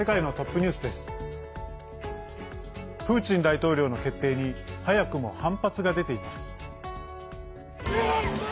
プーチン大統領の決定に早くも反発が出ています。